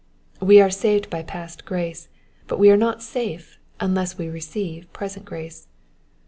"We are saved by past grace, but we are not safe unless we receive present grace.